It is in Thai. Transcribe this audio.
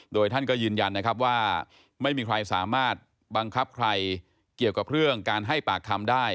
โดยท่านก็ยืนยันนะครับว่าไม่มีใครสามารถบังคับใครเกี่ยวกับเรื่องการให้ปากคำได้